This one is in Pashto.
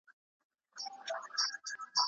آیا ميرمن په مالي معاملاتو کي واک لري؟